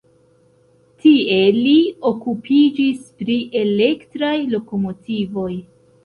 Tie li okupiĝis pri elektraj lokomotivoj.